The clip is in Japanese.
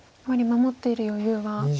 あまり守っている余裕は。